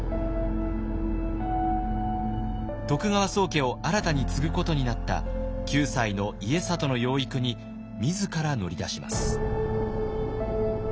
徳川宗家を新たに継ぐことになった９歳の家達の養育に自ら乗り出します。